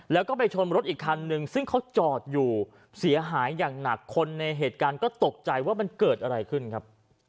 แล้วก็ไปชนรถอีกคันนึงซึ่งเขาจอดอยู่เสียหายอย่างหนักคนในเหตุการณ์ก็ตกใจว่ามันเกิดอะไรขึ้นครับ